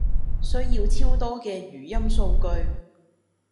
需要超多嘅語音數據